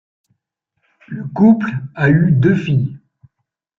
Le couple a eu deux filles.